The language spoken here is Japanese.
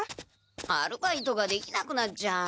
アルバイトができなくなっちゃう。